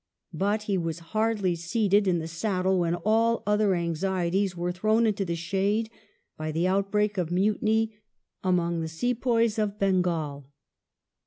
But he was hardly seated in the saddle when all other anxieties were thrown into the shade by the outbreak of mutiny among the sepoys of Bengal.